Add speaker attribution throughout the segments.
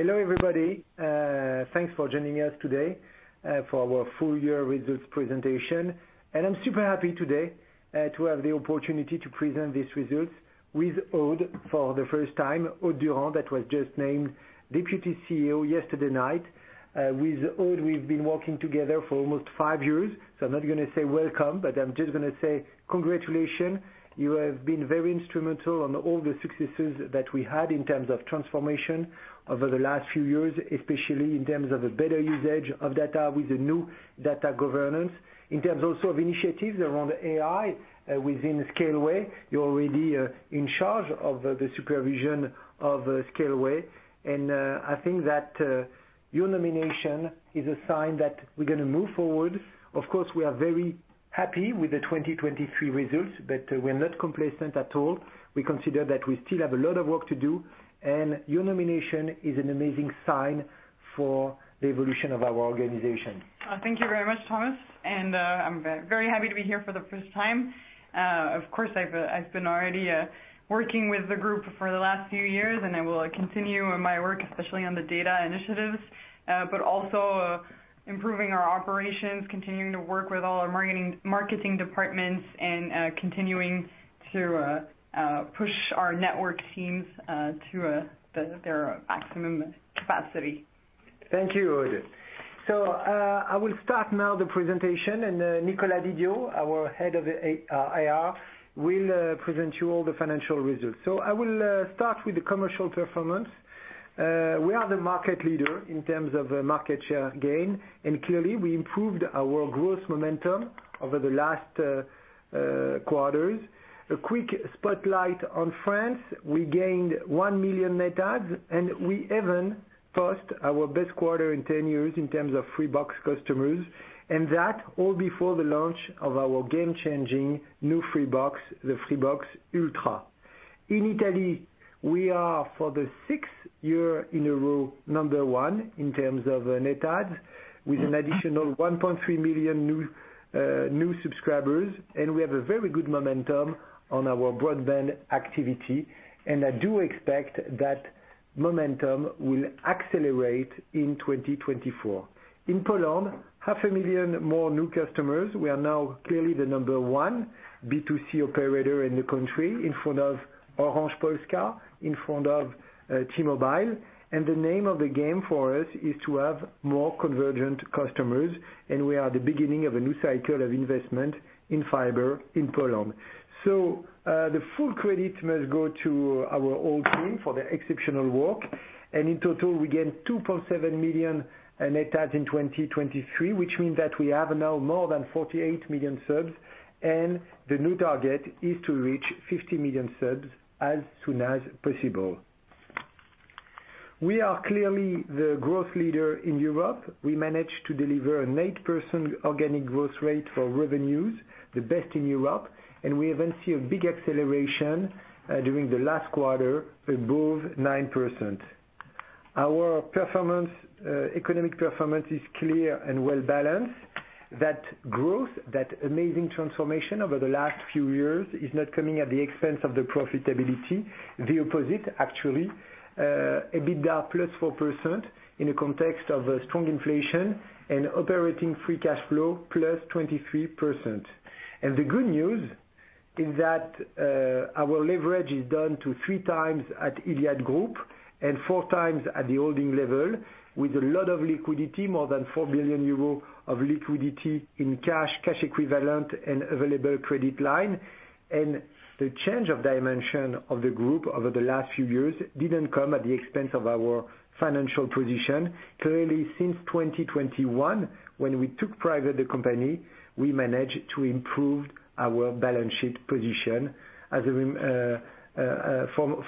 Speaker 1: Hello everybody. Thanks for joining us today for our full-year results presentation. I'm super happy today to have the opportunity to present these results with Aude for the first time, Aude Durand, that was just named Deputy CEO yesterday night. With Aude, we've been working together for almost five years, so I'm not going to say welcome, but I'm just going to say congratulations. You have been very instrumental on all the successes that we had in terms of transformation over the last few years, especially in terms of a better usage of data with a new data governance, in terms also of initiatives around AI within Scaleway. You're already in charge of the supervision of Scaleway, and I think that your nomination is a sign that we're going to move forward. Of course, we are very happy with the 2023 results, but we're not complacent at all. We consider that we still have a lot of work to do, and your nomination is an amazing sign for the evolution of our organization.
Speaker 2: Thank you very much, Thomas. I'm very happy to be here for the first time. Of course, I've been already working with the group for the last few years, and I will continue my work, especially on the data initiatives, but also improving our operations, continuing to work with all our marketing departments, and continuing to push our network teams to their maximum capacity.
Speaker 1: Thank you, Aude. I will start now the presentation, and Nicolas Didio, our Head of IR, will present you all the financial results. I will start with the commercial performance. We are the market leader in terms of market share gain, and clearly, we improved our growth momentum over the last quarters. A quick spotlight on France: we gained one million net adds, and we even post our best quarter in 10 years in terms of Freebox customers, and that's all before the launch of our game-changing new Freebox, the Freebox Ultra. In Italy, we are, for the sixth year in a row, number one in terms of net adds, with an additional 1.3 million new subscribers, and we have a very good momentum on our broadband activity, and I do expect that momentum will accelerate in 2024. In Poland, 500,000 more new customers. We are now clearly the number one B2C operator in the country, in front of Orange Polska, in front of T-Mobile, and the name of the game for us is to have more convergent customers, and we are at the beginning of a new cycle of investment in fiber in Poland. So the full credit must go to our old team for their exceptional work, and in total, we gained 2.7 million net adds in 2023, which means that we have now more than 48 million subs, and the new target is to reach 50 million subs as soon as possible. We are clearly the growth leader in Europe. We managed to deliver an 8% organic growth rate for revenues, the best in Europe, and we even see a big acceleration during the last quarter above 9%. Our economic performance is clear and well balanced. That growth, that amazing transformation over the last few years, is not coming at the expense of the profitability. The opposite, actually. EBITDA +4% in the context of strong inflation and operating free cash flow +23%. And the good news is that our leverage is down to 3x at iliad Group and 4x at the holding level, with a lot of liquidity, more than 4 billion euros of liquidity in cash, cash equivalent, and available credit line, and the change of dimension of the group over the last few years didn't come at the expense of our financial position. Clearly, since 2021, when we took private the company, we managed to improve our balance sheet position. For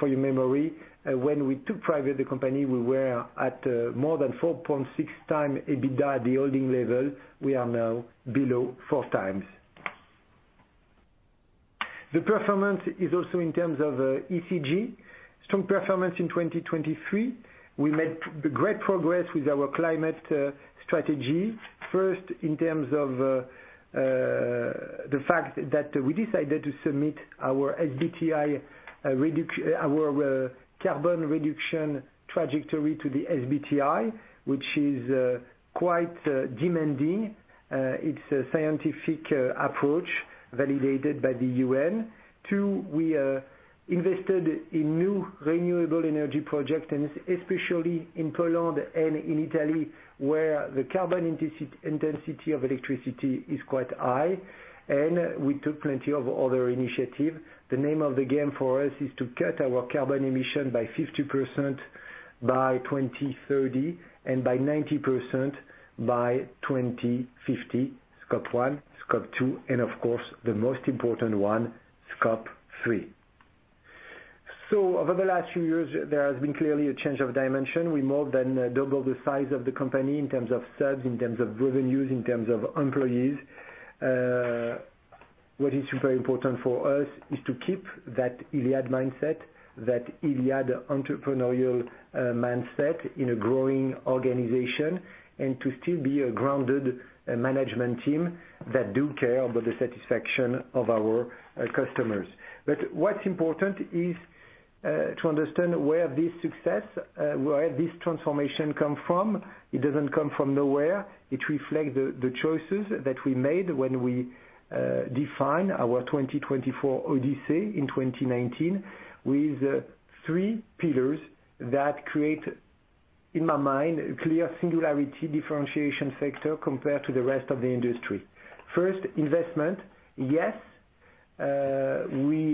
Speaker 1: your memory, when we took private the company, we were at more than 4.6x EBITDA at the holding level. We are now below 4x. The performance is also in terms of ESG. Strong performance in 2023. We made great progress with our Climate Strategy, first in terms of the fact that we decided to submit our carbon reduction trajectory to the SBTi, which is quite demanding. It's a scientific approach validated by the UN. Two, we invested in new renewable energy projects, and especially in Poland and in Italy, where the carbon intensity of electricity is quite high, and we took plenty of other initiatives. The name of the game for us is to cut our carbon emission by 50% by 2030 and by 90% by 2050, Scope 1, Scope 2, and of course, the most important one, Scope 3. So over the last few years, there has been clearly a change of dimension. We more than doubled the size of the company in terms of subs, in terms of revenues, in terms of employees. What is super important for us is to keep that iliad mindset, that iliad entrepreneurial mindset in a growing organization, and to still be a grounded management team that does care about the satisfaction of our customers. But what's important is to understand where this success, where this transformation comes from. It doesn't come from nowhere. It reflects the choices that we made when we defined our 2024 Odyssey in 2019 with three pillars that create, in my mind, a clear singularity differentiation sector compared to the rest of the industry. First, investment. Yes, we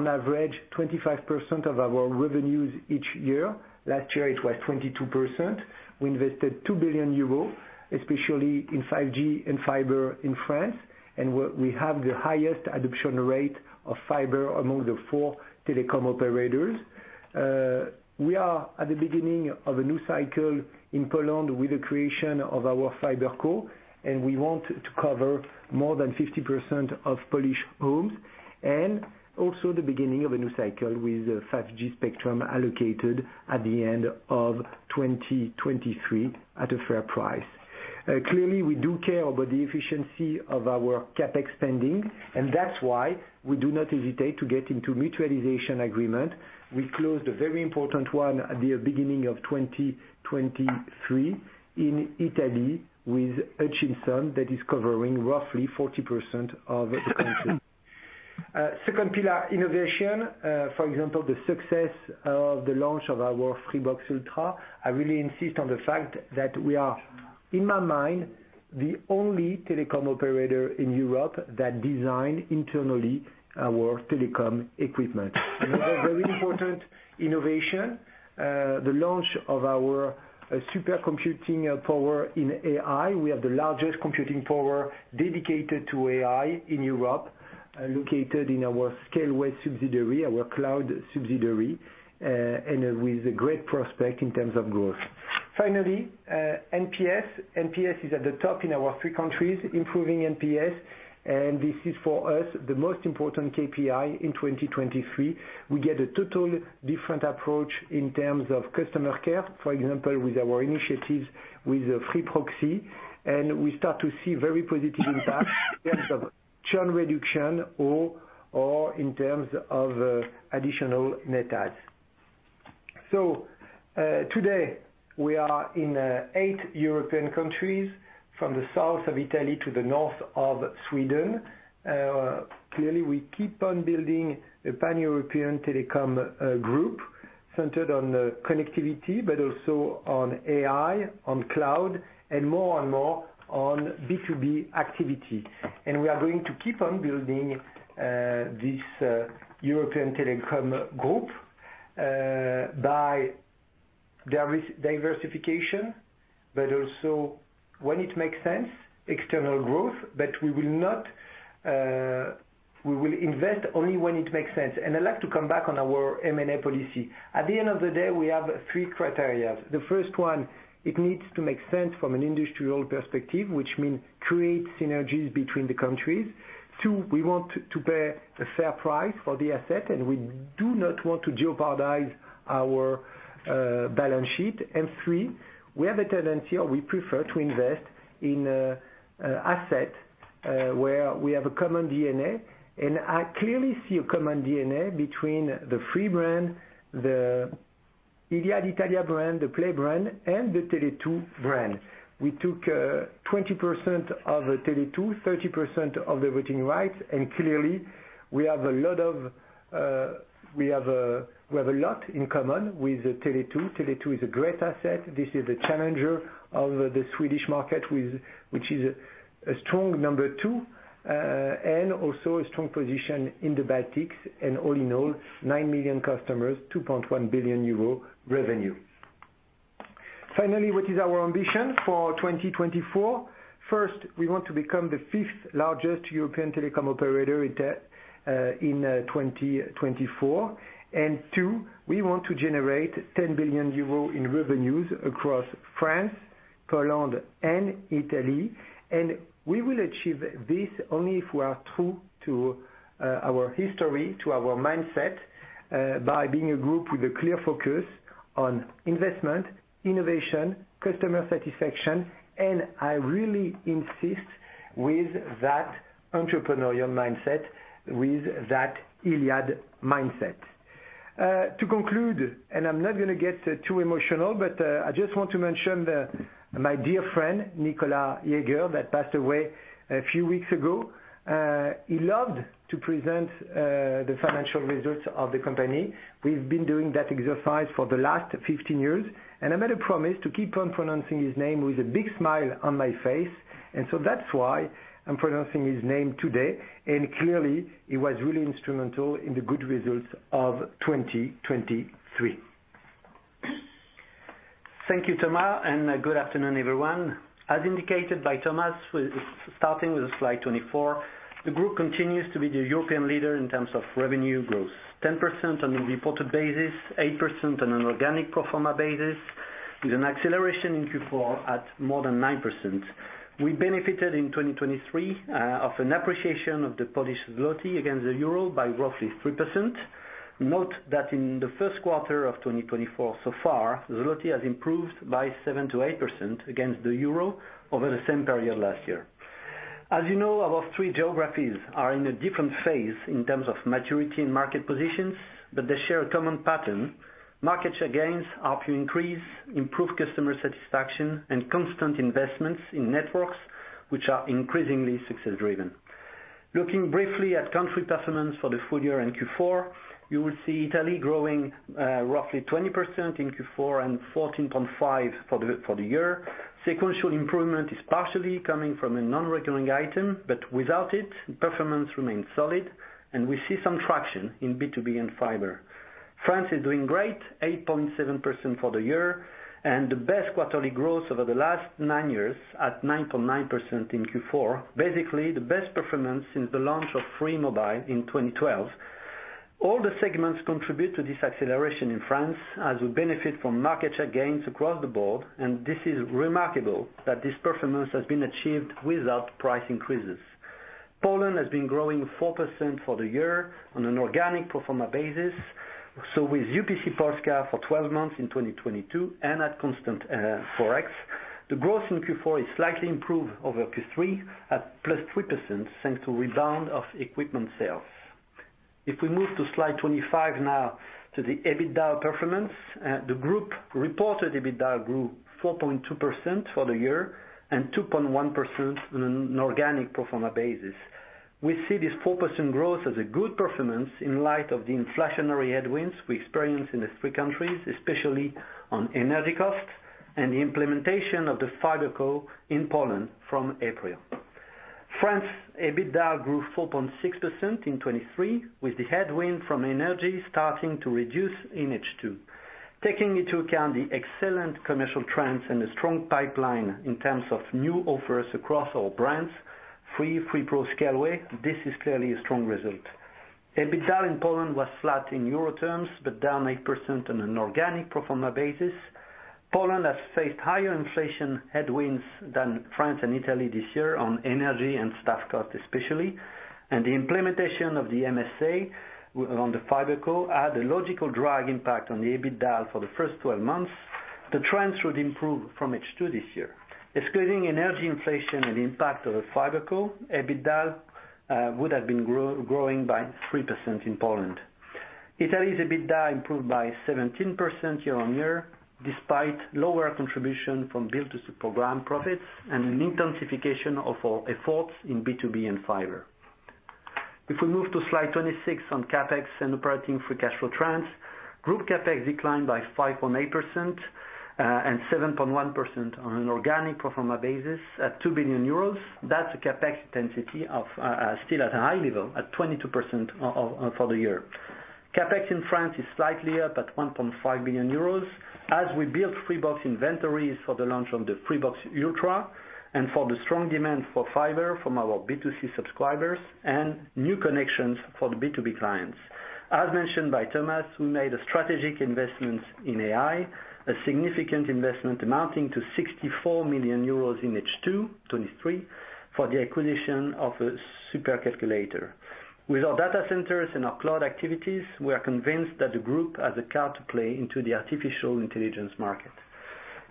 Speaker 1: invest, on average, 25% of our revenues each year. Last year, it was 22%. We invested 2 billion euros, especially in 5G and fiber in France, and we have the highest adoption rate of fiber among the four telecom operators. We are at the beginning of a new cycle in Poland with the creation of our FiberCo, and we want to cover more than 50% of Polish homes, and also the beginning of a new cycle with 5G spectrum allocated at the end of 2023 at a fair price. Clearly, we do care about the efficiency of our CapEx spending, and that's why we do not hesitate to get into mutualization agreements. We closed a very important one at the beginning of 2023 in Italy with Hutchison that is covering roughly 40% of the country. Second pillar, innovation. For example, the success of the launch of our Freebox Ultra. I really insist on the fact that we are, in my mind, the only telecom operator in Europe that designed internally our telecom equipment. Another very important innovation, the launch of our supercomputing power in AI. We have the largest computing power dedicated to AI in Europe, located in our Scaleway subsidiary, our cloud subsidiary, and with a great prospect in terms of growth. Finally, NPS. NPS is at the top in our three countries, improving NPS, and this is, for us, the most important KPI in 2023. We get a totally different approach in terms of customer care, for example, with our initiatives with Free Proxi, and we start to see very positive impacts in terms of churn reduction or in terms of additional net adds. So today, we are in eight European countries, from the south of Italy to the north of Sweden. Clearly, we keep on building a pan-European telecom group centered on connectivity, but also on AI, on cloud, and more and more on B2B activity. We are going to keep on building this European telecom group by diversification, but also, when it makes sense, external growth, but we will invest only when it makes sense. I'd like to come back on our M&A policy. At the end of the day, we have three criteria. The first one, it needs to make sense from an industrial perspective, which means create synergies between the countries. Two, we want to pay a fair price for the asset, and we do not want to jeopardize our balance sheet. Three, we have a tendency, or we prefer, to invest in assets where we have a common DNA, and I clearly see a common DNA between the Free brand, the iliad Italia brand, the Play brand, and the Tele2 brand. We took 20% of Tele2, 30% of the voting rights, and clearly, we have a lot in common with Tele2. Tele2 is a great asset. This is a challenger of the Swedish market, which is a strong number two, and also a strong position in the Baltics, and all in all, nine million customers, 2.1 billion euro revenue. Finally, what is our ambition for 2024? First, we want to become the fifth largest European telecom operator in 2024, and two, we want to generate 10 billion euro in revenues across France, Poland, and Italy, and we will achieve this only if we are true to our history, to our mindset, by being a group with a clear focus on investment, innovation, customer satisfaction, and I really insist with that entrepreneurial mindset, with that iliad mindset. To conclude, I'm not going to get too emotional, but I just want to mention my dear friend Nicolas Jaeger that passed away a few weeks ago. He loved to present the financial results of the company. We've been doing that exercise for the last 15 years, and I made a promise to keep on pronouncing his name with a big smile on my face, and so that's why I'm pronouncing his name today, and clearly, he was really instrumental in the good results of 2023.
Speaker 3: Thank you, Thomas, and good afternoon, everyone. As indicated by Thomas, starting with Slide 24, the group continues to be the European leader in terms of revenue growth: 10% on a reported basis, 8% on an organic pro forma basis, with an acceleration in Q4 at more than 9%. We benefited in 2023 of an appreciation of the Polish złoty against the euro by roughly 3%. Note that in the first quarter of 2024 so far, złoty has improved by 7%-8% against the euro over the same period last year. As you know, our three geographies are in a different phase in terms of maturity and market positions, but they share a common pattern: market share gains are to increase, improve customer satisfaction, and constant investments in networks, which are increasingly success-driven. Looking briefly at country performance for the full year and Q4, you will see Italy growing roughly 20% in Q4 and 14.5% for the year. Sequential improvement is partially coming from a non-recurring item, but without it, performance remains solid, and we see some traction in B2B and fiber. France is doing great: 8.7% for the year, and the best quarterly growth over the last nine years at 9.9% in Q4, basically the best performance since the launch of Free Mobile in 2012. All the segments contribute to this acceleration in France, as we benefit from market share gains across the board, and this is remarkable that this performance has been achieved without price increases. Poland has been growing 4% for the year on an organic pro forma basis, so with UPC Polska for 12 months in 2022 and at constant Forex, the growth in Q4 is slightly improved over Q3 at +3% thanks to rebound of equipment sales. If we move to Slide 25 now to the EBITDA performance, the group reported EBITDA grew 4.2% for the year and 2.1% on an organic pro forma basis. We see this 4% growth as a good performance in light of the inflationary headwinds we experienced in the three countries, especially on energy costs and the implementation of the FiberCo in Poland from April. France's EBITDA grew 4.6% in 2023, with the headwind from energy starting to reduce in H2. Taking into account the excellent commercial trends and the strong pipeline in terms of new offers across our brands, Free, Free Proxi, Scaleway, this is clearly a strong result. EBITDA in Poland was flat in euro terms, but down 8% on an organic pro forma basis. Poland has faced higher inflation headwinds than France and Italy this year on energy and staff costs, especially, and the implementation of the MSA on the FiberCo had a logical drag impact on the EBITDA for the first 12 months. The trends should improve from H2 this year. Excluding energy inflation and the impact of the FiberCo, EBITDA would have been growing by 3% in Poland. Italy's EBITDA improved by 17% year-on-year, despite lower contribution from build-to-supply program profits and an intensification of our efforts in B2B and fiber. If we move to Slide 26 on CapEx and operating free cash flow trends, group CapEx declined by 5.8% and 7.1% on an organic pro forma basis at 2 billion euros. That's a CapEx intensity still at a high level, at 22% for the year. CapEx in France is slightly up at 1.5 billion euros as we build Freebox inventories for the launch of the Freebox Ultra and for the strong demand for fiber from our B2C subscribers and new connections for the B2B clients. As mentioned by Thomas, we made a strategic investment in AI, a significant investment amounting to 64 million euros in H2 2023 for the acquisition of a supercomputer. With our data centers and our cloud activities, we are convinced that the group has a card to play into the artificial intelligence market.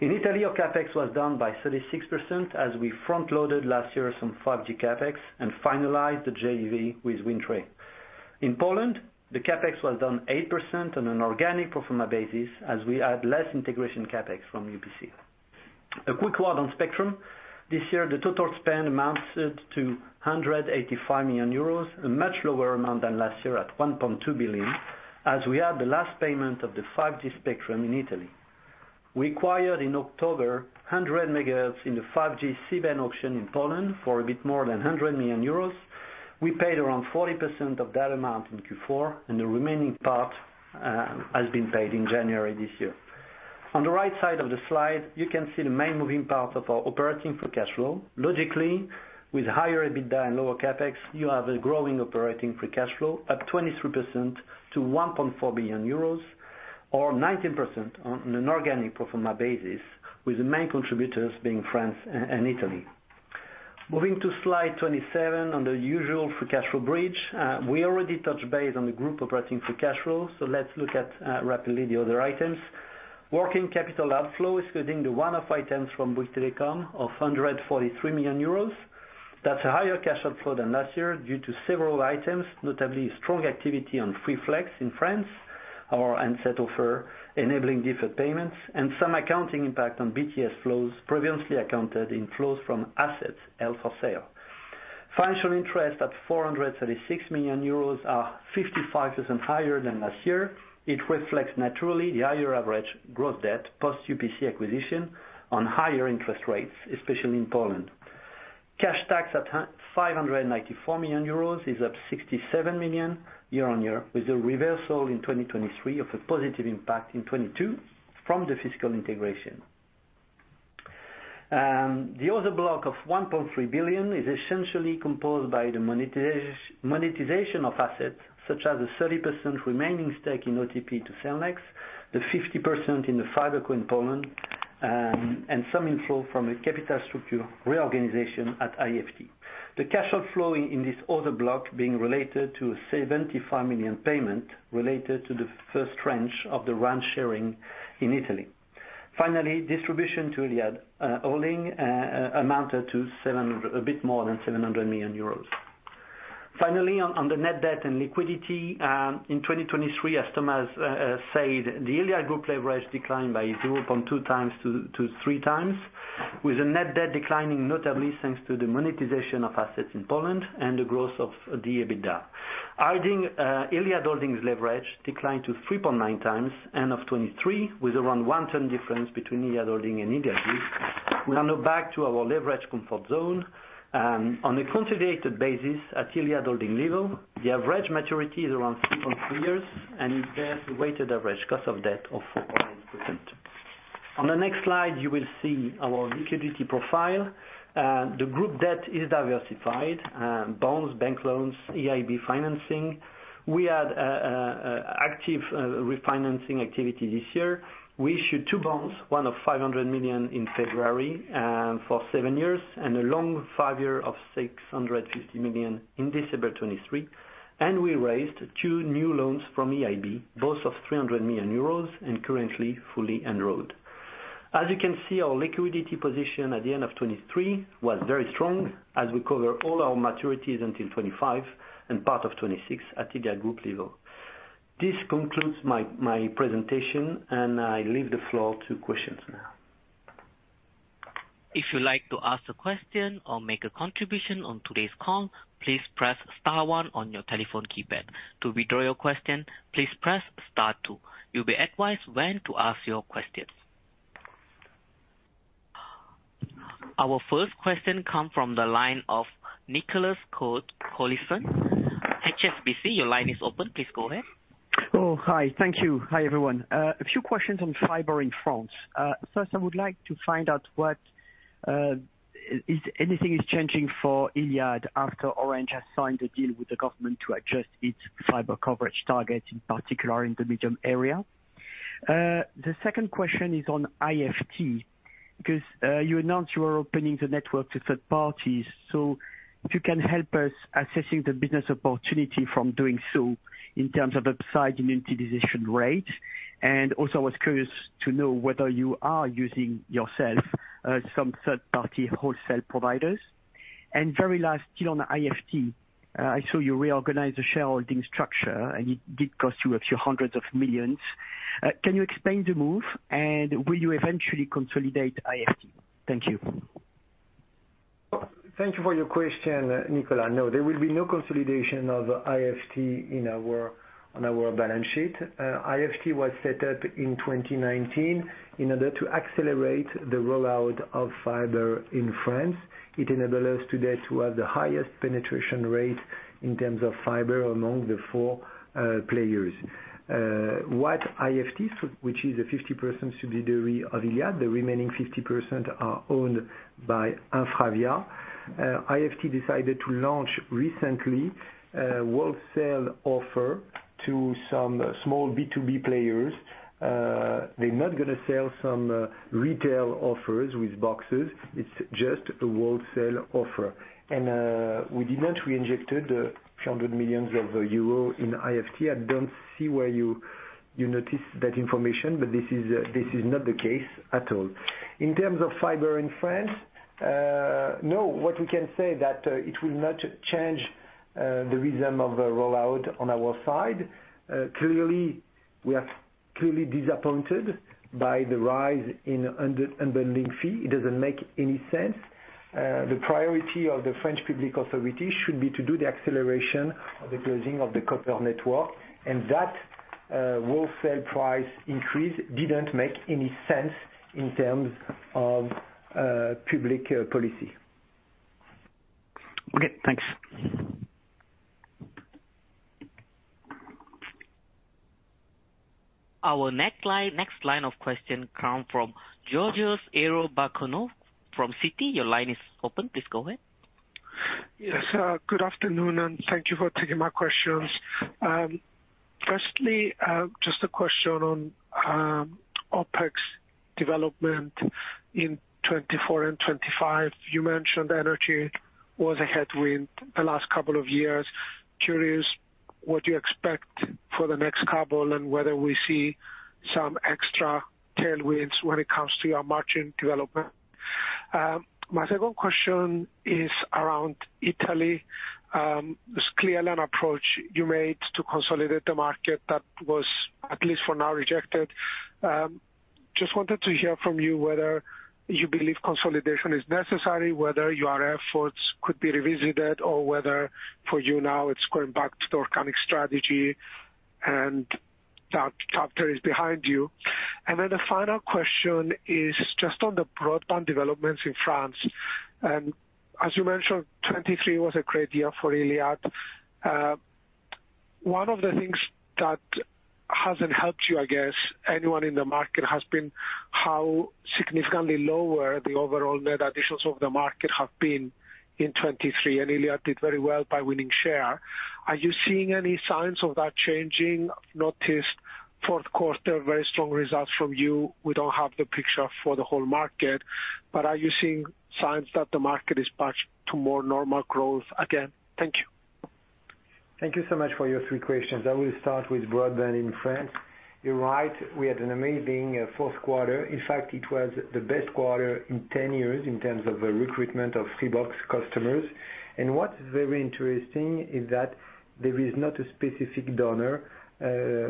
Speaker 3: In Italy, our CapEx was down by 36% as we front-loaded last year some 5G CapEx and finalized the JV with Wind Tre. In Poland, the CapEx was down 8% on an organic pro forma basis as we had less integration CapEx from UPC. A quick word on spectrum. This year, the total spend amounted to 185 million euros, a much lower amount than last year at 1.2 billion as we had the last payment of the 5G spectrum in Italy. We acquired in October, 100 MHz in the 5G C-band auction in Poland for a bit more than 100 million euros. We paid around 40% of that amount in Q4, and the remaining part has been paid in January this year. On the right side of the slide, you can see the main moving part of our operating free cash flow. Logically, with higher EBITDA and lower CapEx, you have a growing operating free cash flow up 23% to 1.4 billion euros or 19% on an organic pro forma basis, with the main contributors being France and Italy. Moving to Slide 27 on the usual free cash flow bridge, we already touched base on the group operating free cash flow, so let's look at rapidly the other items. Working capital outflow, excluding the one-off items from Bouygues Telecom, of 143 million euros. That's a higher cash outflow than last year due to several items, notably strong activity on Free Flex in France, our handset offer enabling different payments, and some accounting impact on B2B flows previously accounted in flows from assets held for sale. Financial interest at 436 million euros are 55% higher than last year. It reflects naturally the higher average gross debt post-UPC acquisition on higher interest rates, especially in Poland. Cash tax at 594 million euros is up 67 million year-on-year, with a reversal in 2023 of a positive impact in 2022 from the fiscal integration. The other block of 1.3 billion is essentially composed by the monetization of assets, such as the 30% remaining stake in OTP to Cellnex, the 50% in the FiberCo in Poland, and some inflow from a capital structure reorganization at IFT. The cash outflow in this other block being related to a 75 million payment related to the first tranche of the roaming sharing in Italy. Finally, distribution to iliad Holding amounted to a bit more than 700 million euros. Finally, on the net debt and liquidity, in 2023, as Thomas said, the iliad Group leverage declined by 0.2x to 3x, with the net debt declining notably thanks to the monetization of assets in Poland and the growth of the EBITDA. iliad Holding's leverage declined to 3.9x end of 2023, with around one-turn difference between iliad Holding and iliad Group. We are now back to our leverage comfort zone. On a consolidated basis at iliad Holding level, the average maturity is around 3.3 years, and it bears the weighted average cost of debt of 4.8%. On the next slide, you will see our liquidity profile. The group debt is diversified: bonds, bank loans, EIB financing. We had active refinancing activity this year. We issued two bonds, one of 500 million in February for seven years and a long five-year of 650 million in December 2023, and we raised two new loans from EIB, both of 300 million euros and currently fully enrolled. As you can see, our liquidity position at the end of 2023 was very strong as we cover all our maturities until 2025 and part of 2026 at iliad Group level. This concludes my presentation, and I leave the floor to questions now.
Speaker 4: If you'd like to ask a question or make a contribution on today's call, please press star one on your telephone keypad. To withdraw your question, please press star two. You'll be advised when to ask your question. Our first question comes from the line of Nicolas Cote-Colisson. HSBC, your line is open. Please go ahead.
Speaker 5: Oh, hi. Thank you. Hi, everyone. A few questions on fiber in France. First, I would like to find out if anything is changing for iliad after Orange has signed a deal with the government to adjust its fiber coverage targets, in particular in the medium area. The second question is on IFT because you announced you are opening the network to third parties. So if you can help us assessing the business opportunity from doing so in terms of upside in utilization rate. And also, I was curious to know whether you are using yourself some third-party wholesale providers. And very last, still on IFT, I saw you reorganize the shareholding structure, and it did cost you a few hundred of millions. Can you explain the move, and will you eventually consolidate IFT? Thank you.
Speaker 1: Thank you for your question, Nicolas. No, there will be no consolidation of IFT on our balance sheet. IFT was set up in 2019 in order to accelerate the rollout of fiber in France. It enabled us today to have the highest penetration rate in terms of fiber among the four players. What IFT, which is a 50% subsidiary of iliad, the remaining 50% are owned by InfraVia. IFT decided to launch recently a wholesale offer to some small B2B players. They're not going to sell some retail offers with boxes. It's just a wholesale offer. And we did not reinject the 300 million euro in IFT. I don't see where you noticed that information, but this is not the case at all. In terms of fiber in France, no, what we can say is that it will not change the rhythm of rollout on our side. Clearly, we are clearly disappointed by the rise in unbundling fee. It doesn't make any sense. The priority of the French public authority should be to do the acceleration of the closing of the copper network, and that wholesale price increase didn't make any sense in terms of public policy.
Speaker 5: Okay. Thanks.
Speaker 4: Our next line of questions comes from Georgios Ierodiaconou from Citi. Your line is open. Please go ahead.
Speaker 6: Yes. Good afternoon, and thank you for taking my questions. Firstly, just a question on OpEx development in 2024 and 2025. You mentioned energy was a headwind the last couple of years. Curious what you expect for the next couple and whether we see some extra tailwinds when it comes to your margin development. My second question is around Italy. There's clearly an approach you made to consolidate the market that was, at least for now, rejected. Just wanted to hear from you whether you believe consolidation is necessary, whether your efforts could be revisited, or whether for you now, it's going back to the organic strategy and that chapter is behind you. And then the final question is just on the broadband developments in France. And as you mentioned, 2023 was a great year for iliad. One of the things that hasn't helped you, I guess, anyone in the market has been how significantly lower the overall net additions of the market have been in 2023, and iliad did very well by winning share. Are you seeing any signs of that changing? Noticed fourth quarter, very strong results from you. We don't have the picture for the whole market, but are you seeing signs that the market is back to more normal growth again? Thank you.
Speaker 1: Thank you so much for your three questions. I will start with broadband in France. You're right. We had an amazing fourth quarter. In fact, it was the best quarter in 10 years in terms of recruitment of Freebox customers. And what's very interesting is that there is not a specific driver.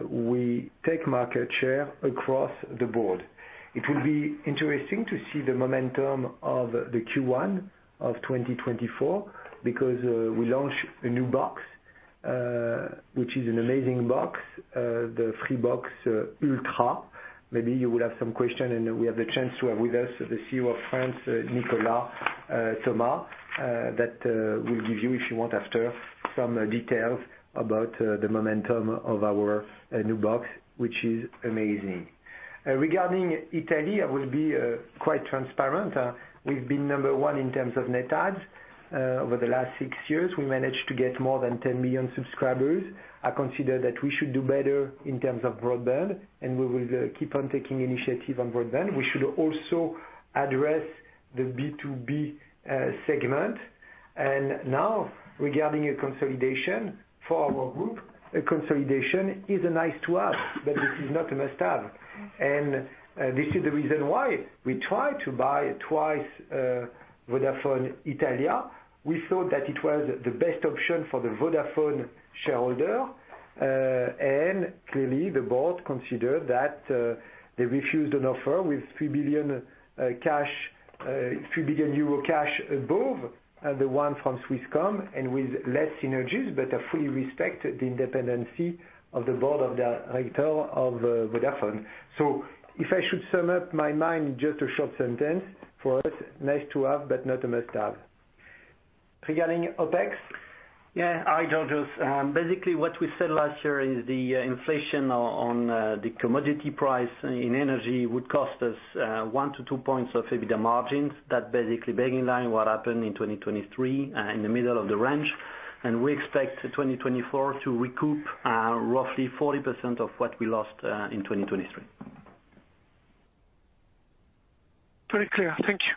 Speaker 1: We take market share across the board. It will be interesting to see the momentum of the Q1 of 2024 because we launch a new box, which is an amazing box, the Freebox Ultra. Maybe you will have some questions, and we have the chance to have with us the CEO of Free France, Nicolas Thomas, that will give you, if you want after, some details about the momentum of our new box, which is amazing. Regarding Italy, I will be quite transparent. We've been number one in terms of net adds over the last six years. We managed to get more than 10 million subscribers. I consider that we should do better in terms of broadband, and we will keep on taking initiative on broadband. We should also address the B2B segment. Now, regarding a consolidation for our group, a consolidation is a nice to have, but this is not a must-have. This is the reason why we tried to buy twice Vodafone Italia. We thought that it was the best option for the Vodafone shareholder. Clearly, the Board considered that they refused an offer with 3 billion cash above the one from Swisscom and with less synergies, but I fully respect the independence of the Board of Directors of Vodafone. So if I should sum up my mind in just a short sentence, for us, nice to have, but not a must-have. Regarding OpEx.
Speaker 3: Yeah. Hi, Georgios. Basically, what we said last year is the inflation on the commodity price in energy would cost us 1-2 points of EBITDA margins. That's basically the baseline of what happened in 2023 in the middle of the range. And we expect 2024 to recoup roughly 40% of what we lost in 2023.
Speaker 6: Very clear. Thank you.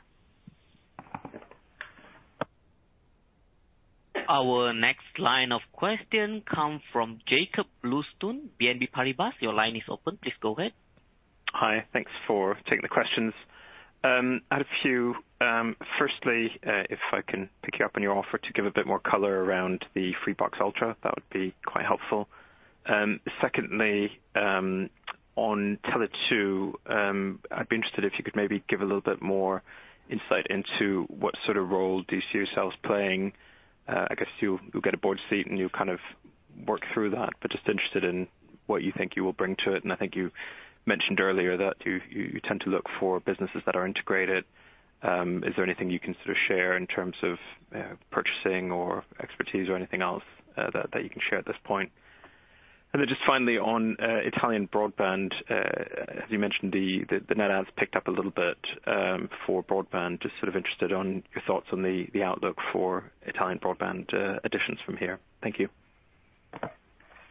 Speaker 4: Our next line of questions comes from Jakob Bluestone, BNP Paribas. Your line is open. Please go ahead.
Speaker 7: Hi. Thanks for taking the questions. I had a few. Firstly, if I can pick you up on your offer to give a bit more color around the Freebox Ultra, that would be quite helpful. Secondly, on Tele2, I'd be interested if you could maybe give a little bit more insight into what sort of role do you see yourselves playing. I guess you'll get a Board seat, and you'll kind of work through that, but just interested in what you think you will bring to it. And I think you mentioned earlier that you tend to look for businesses that are integrated. Is there anything you can sort of share in terms of purchasing or expertise or anything else that you can share at this point? And then just finally, on Italian broadband, as you mentioned, the net adds picked up a little bit for broadband. Just sort of interested in your thoughts on the outlook for Italian broadband additions from here. Thank you.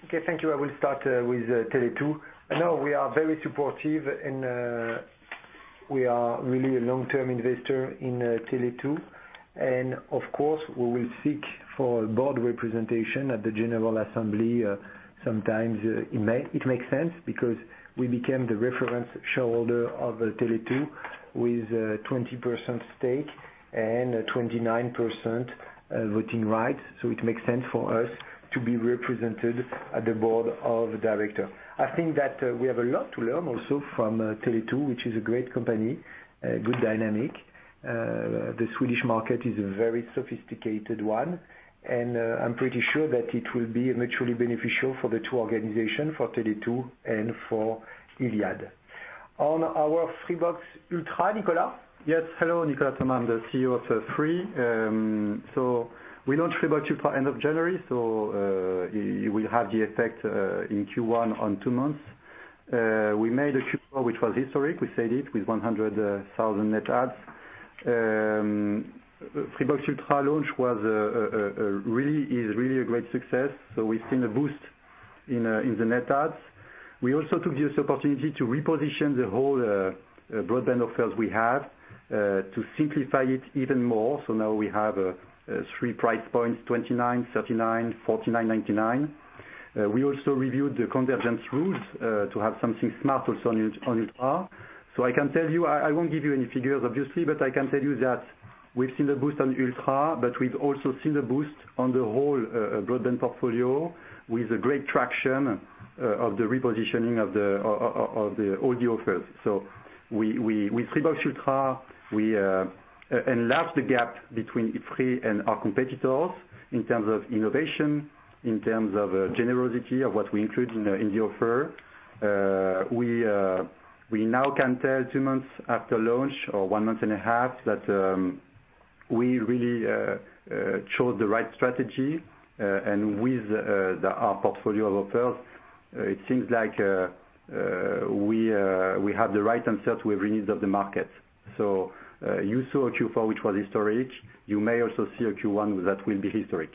Speaker 1: Okay. Thank you. I will start with Tele2. I know we are very supportive, and we are really a long-term investor in Tele2. Of course, we will seek for Board representation at the General Assembly sometimes. It makes sense because we became the reference shareholder of Tele2 with 20% stake and 29% voting rights. It makes sense for us to be represented at the Board of Directors. I think that we have a lot to learn also from Tele2, which is a great company, good dynamic. The Swedish market is a very sophisticated one, and I'm pretty sure that it will be mutually beneficial for the two organizations, for Tele2 and for iliad. On our Freebox Ultra, Nicolas.
Speaker 8: Yes. Hello, Nicolas Thomas. I'm the CEO of Free. So we launched Freebox Ultra end of January, so it will have the effect in Q1 on two months. We made a Q4 which was historic. We saved it with 100,000 net adds. Freebox Ultra launch is really a great success, so we've seen a boost in the net adds. We also took this opportunity to reposition the whole broadband offers we have to simplify it even more. So now we have three price points: 29, 39, 49, 99. We also reviewed the convergence rules to have something smart also on Ultra. So I can tell you I won't give you any figures, obviously, but I can tell you that we've seen a boost on Ultra, but we've also seen a boost on the whole broadband portfolio with a great traction of the repositioning of all the offers. With Freebox Ultra, we enlarged the gap between Free and our competitors in terms of innovation, in terms of generosity of what we include in the offer. We now can tell two months after launch or one month and a half that we really chose the right strategy. With our portfolio of offers, it seems like we have the right answer to every need of the market. You saw a Q4 which was historic. You may also see a Q1 that will be historic.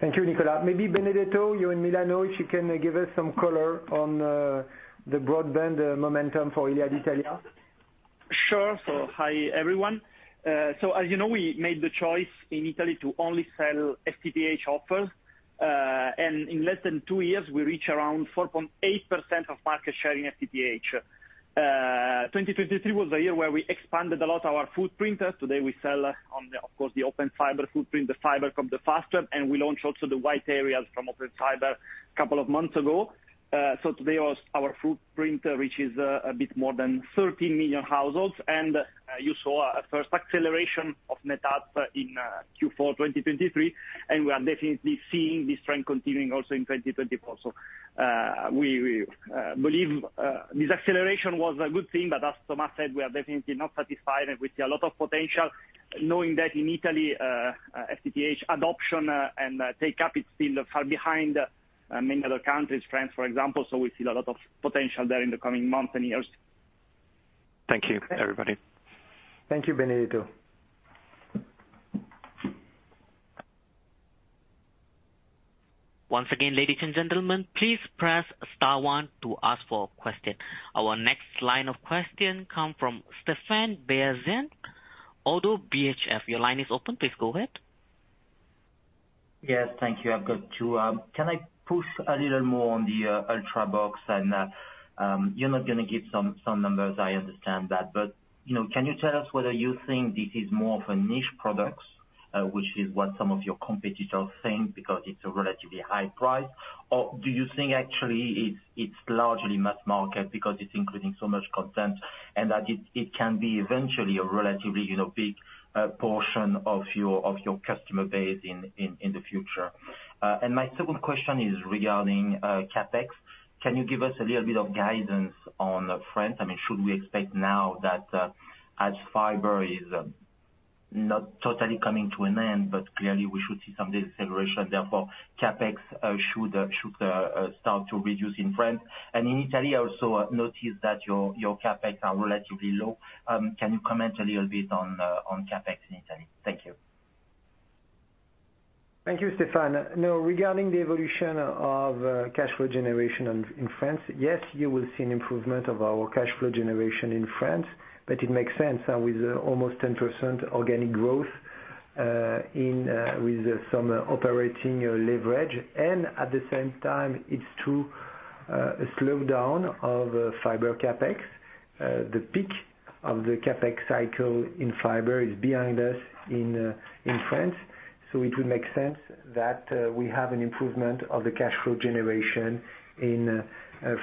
Speaker 1: Thank you, Nicolas. Maybe Benedetto, you're in Milano. If you can give us some color on the broadband momentum for iliad Italia.
Speaker 9: Sure. So hi, everyone. So as you know, we made the choice in Italy to only sell FTTH offers. And in less than two years, we reached around 4.8% of market share in FTTH. 2023 was a year where we expanded a lot our footprint. Today, we sell, of course, the Open Fiber footprint, the FiberCop, the Fastweb. And we launched also the white areas from Open Fiber a couple of months ago. So today, our footprint reaches a bit more than 13 million households. And you saw a first acceleration of net adds in Q4 2023, and we are definitely seeing this trend continuing also in 2024. So we believe this acceleration was a good thing. But as Thomas said, we are definitely not satisfied, and we see a lot of potential knowing that in Italy, FTTH adoption and uptake is still far behind many other countries, France, for example. So we see a lot of potential there in the coming months and years.
Speaker 7: Thank you, everybody.
Speaker 1: Thank you, Benedetto.
Speaker 4: Once again, ladies and gentlemen, please press star one to ask for a question. Our next line of questions comes from Stéphane Beyazian, ODDO BHF. Your line is open. Please go ahead.
Speaker 10: Yes. Thank you. I've got two. Can I push a little more on the Ultra box? And you're not going to give some numbers. I understand that. But can you tell us whether you think this is more of a niche product, which is what some of your competitors think because it's a relatively high price? Or do you think, actually, it's largely mass market because it's including so much content and that it can be eventually a relatively big portion of your customer base in the future? And my second question is regarding CapEx. Can you give us a little bit of guidance on France? I mean, should we expect now that the fiber is not totally coming to an end, but clearly, we should see some deceleration? Therefore, CapEx should start to reduce in France. And in Italy, I also noticed that your CapEx are relatively low. Can you comment a little bit on CapEx in Italy? Thank you.
Speaker 1: Thank you, Stéphane. Now, regarding the evolution of cash flow generation in France, yes, you will see an improvement of our cash flow generation in France, but it makes sense with almost 10% organic growth with some operating leverage. At the same time, it's true a slowdown of fiber CapEx. The peak of the CapEx cycle in fiber is behind us in France. So it would make sense that we have an improvement of the cash flow generation in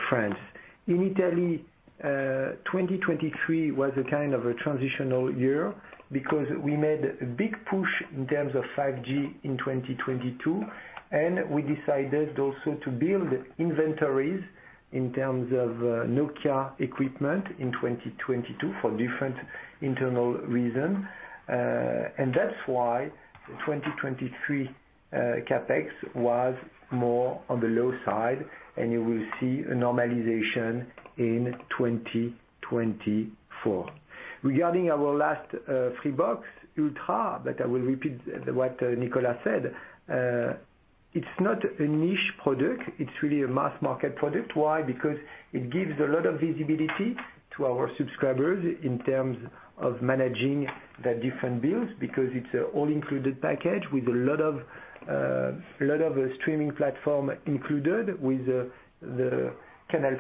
Speaker 1: France. In Italy, 2023 was a kind of a transitional year because we made a big push in terms of 5G in 2022, and we decided also to build inventories in terms of Nokia equipment in 2022 for different internal reasons. And that's why 2023 CapEx was more on the low side, and you will see a normalization in 2024. Regarding our last Freebox Ultra, but I will repeat what Nicolas said. It's not a niche product. It's really a mass market product. Why? Because it gives a lot of visibility to our subscribers in terms of managing the different bills because it's an all-included package with a lot of streaming platform included with the CANAL+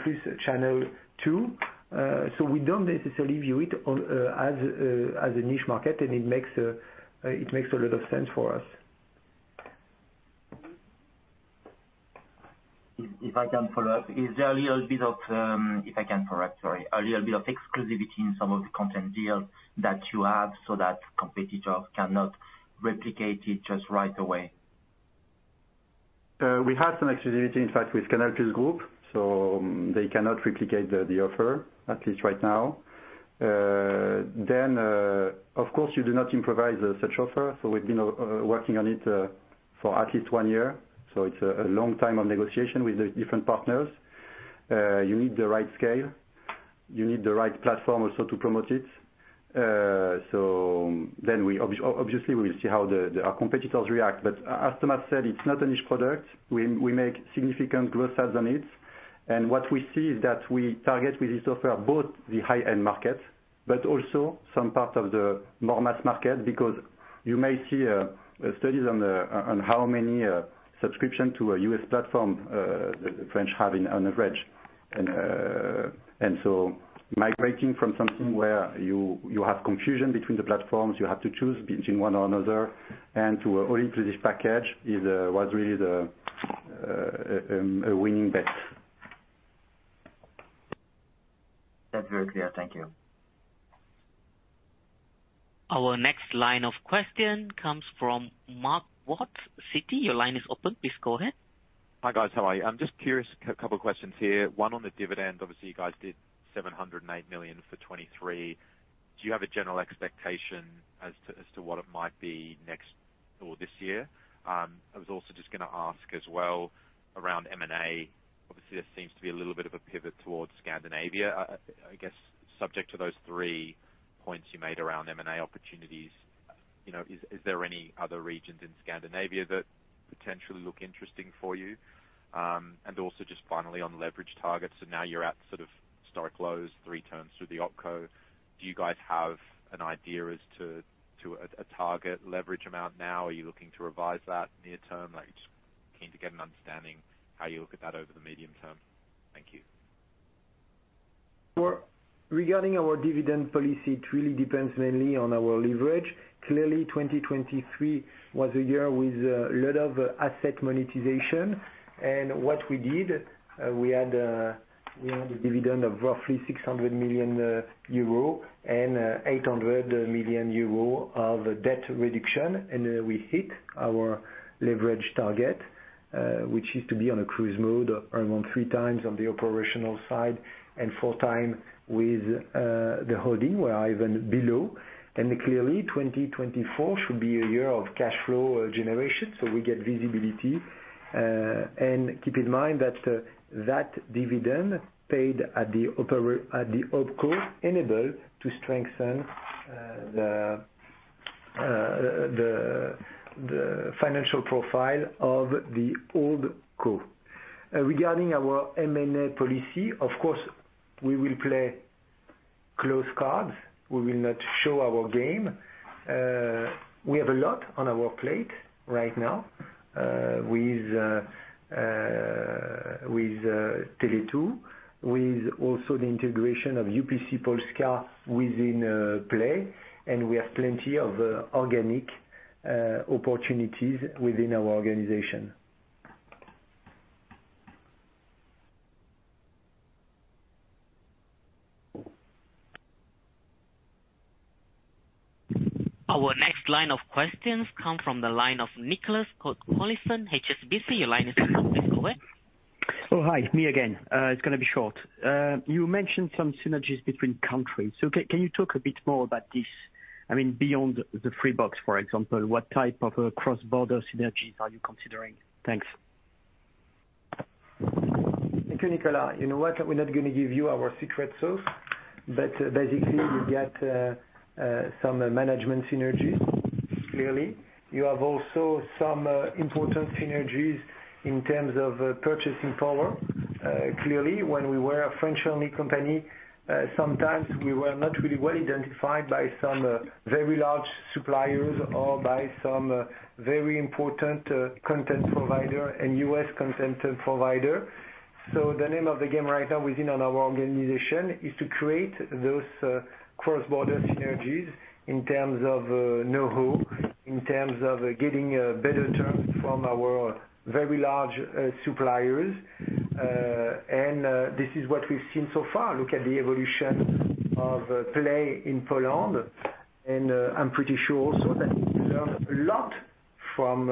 Speaker 1: channel too. So we don't necessarily view it as a niche market, and it makes a lot of sense for us.
Speaker 10: If I can follow up, sorry, is there a little bit of exclusivity in some of the content deals that you have so that competitors cannot replicate it just right away?
Speaker 3: We have some exclusivity, in fact, with CANAL+ Group. They cannot replicate the offer, at least right now. Of course, you do not improvise such an offer. We've been working on it for at least one year. It's a long time of negotiation with the different partners. You need the right scale. You need the right platform also to promote it. Then, obviously, we will see how our competitors react. But as Thomas said, it's not a niche product. We make significant gross adds on it. And what we see is that we target with this offer both the high-end market but also some part of the more mass market because you may see studies on how many subscriptions to a U.S. platform the French have on average. Migrating from something where you have confusion between the platforms, you have to choose between one or another, and to an all-inclusive package was really a winning bet.
Speaker 10: That's very clear. Thank you.
Speaker 4: Our next line of questions comes from Mark Watts, Citi. Your line is open. Please go ahead.
Speaker 11: Hi guys. How are you? I'm just curious, a couple of questions here. One on the dividend. Obviously, you guys did 708 million for 2023. Do you have a general expectation as to what it might be next or this year? I was also just going to ask as well around M&A. Obviously, there seems to be a little bit of a pivot towards Scandinavia, I guess, subject to those three points you made around M&A opportunities. Is there any other regions in Scandinavia that potentially look interesting for you? And also just finally on leverage targets. So now you're at sort of historic lows, three turns through the OpCo. Do you guys have an idea as to a target leverage amount now? Are you looking to revise that near-term? Just keen to get an understanding how you look at that over the medium term. Thank you.
Speaker 1: Regarding our dividend policy, it really depends mainly on our leverage. Clearly, 2023 was a year with a lot of asset monetization. And what we did, we had a dividend of roughly 600 million euro and 800 million euro of debt reduction. And we hit our leverage target, which is to be on a cruise mode around three times on the operational side and four times with the holding, where I'm even below. And clearly, 2024 should be a year of cash flow generation. So we get visibility. And keep in mind that that dividend paid at the OpCo enabled to strengthen the financial profile of the HoldCo. Regarding our M&A policy, of course, we will play close cards. We will not show our game. We have a lot on our plate right now with Tele2, with also the integration of UPC Polska within Play. We have plenty of organic opportunities within our organization.
Speaker 4: Our next line of questions comes from the line of Nicolas Cote-Colisson, HSBC. Your line is open. Please go ahead.
Speaker 5: Oh, hi. Me again. It's going to be short. You mentioned some synergies between countries. So can you talk a bit more about this? I mean, beyond the Freebox, for example, what type of cross-border synergies are you considering? Thanks.
Speaker 1: Thank you, Nicolas. You know what? We're not going to give you our secret sauce. But basically, you get some management synergies, clearly. You have also some important synergies in terms of purchasing power. Clearly, when we were a French-only company, sometimes we were not really well identified by some very large suppliers or by some very important content provider, a U.S. content provider. So the name of the game right now within our organization is to create those cross-border synergies in terms of know-how, in terms of getting better terms from our very large suppliers. And this is what we've seen so far. Look at the evolution of Play in Poland. And I'm pretty sure also that we learned a lot from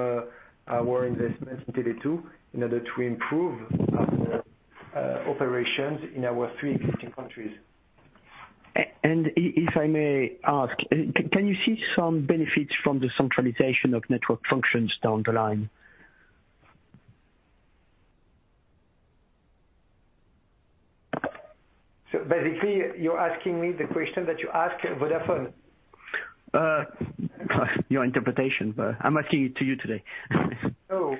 Speaker 1: our investment in Tele2 in order to improve our operations in our three existing countries.
Speaker 5: If I may ask, can you see some benefits from the centralization of network functions down the line?
Speaker 1: So basically, you're asking me the question that you ask Vodafone?
Speaker 5: Your interpretation, but I'm asking it to you today.
Speaker 1: Oh.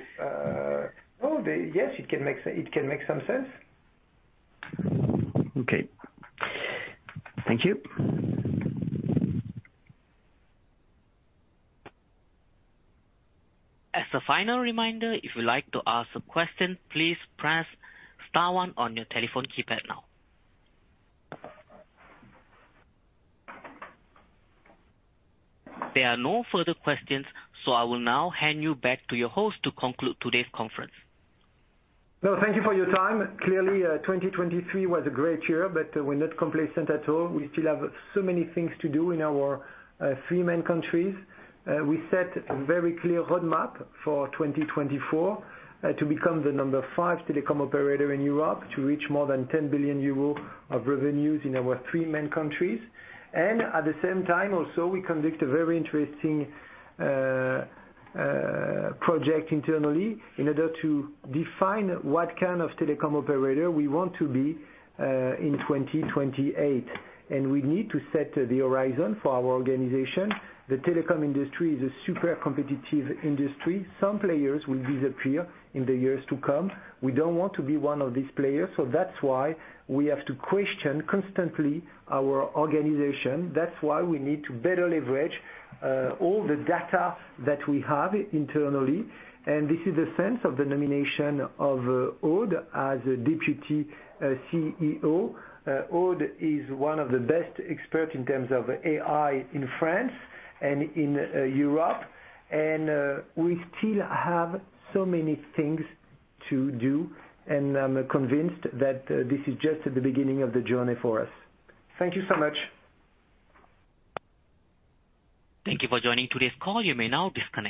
Speaker 1: Oh, yes, it can make some sense.
Speaker 5: Okay. Thank you.
Speaker 4: As a final reminder, if you'd like to ask a question, please press star one on your telephone keypad now. There are no further questions, so I will now hand you back to your host to conclude today's conference.
Speaker 1: Well, thank you for your time. Clearly, 2023 was a great year, but we're not complacent at all. We still have so many things to do in our three main countries. We set a very clear roadmap for 2024 to become the number five telecom operator in Europe, to reach more than 10 billion euros of revenues in our three main countries. And at the same time, also, we conduct a very interesting project internally in order to define what kind of telecom operator we want to be in 2028. And we need to set the horizon for our organization. The telecom industry is a super competitive industry. Some players will disappear in the years to come. We don't want to be one of these players. So that's why we have to question constantly our organization. That's why we need to better leverage all the data that we have internally. This is the sense of the nomination of Aude as Deputy CEO. Aude is one of the best experts in terms of AI in France and in Europe. We still have so many things to do. I'm convinced that this is just at the beginning of the journey for us. Thank you so much.
Speaker 4: Thank you for joining today's call. You may now disconnect.